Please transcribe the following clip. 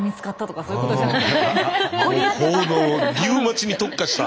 効能リウマチに特化した。